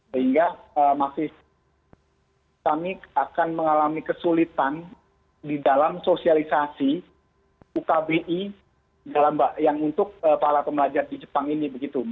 sehingga kami akan mengalami kesulitan di dalam sosialisasi ukbi yang untuk para pembelajar di jepang ini begitu